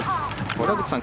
村口さん